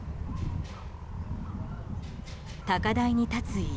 高台に立つ家。